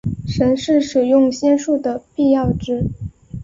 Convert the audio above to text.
神是使用仙术的必要值。